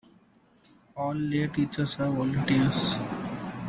All lay teachers are volunteers.